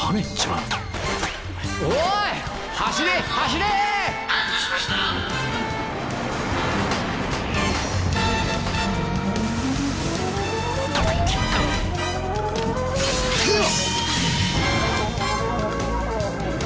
うわ！